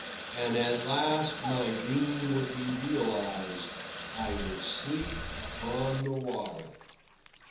And at last my dream would be realised: I would sleep upon the water.